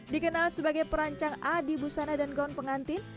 dikenal sebagai perancang adi busana dan gaun pengantin